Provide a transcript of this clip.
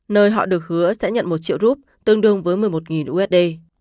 nơi họ được hứa sẽ nhận một triệu rup tương đương với một mươi một usd